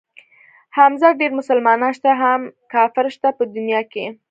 حمزه ډېر مسلمانان شته هم کافر شته په دنيا کښې.